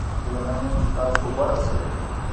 هیله من یم چې تاسو غوره شي.